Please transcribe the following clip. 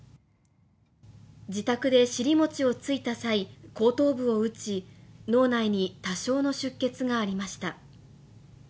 自宅で尻餅をついた際、後頭部を打ち、脳内に多少の出血がありました。